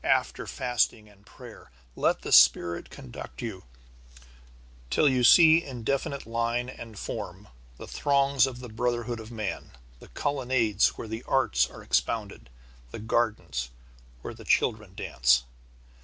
After fasting and prayer, let the Spirit conduct you till you see in definite line and form the throngs of the brotherhood of man, the colonnades where the arts are expounded, the gardens where the children dance.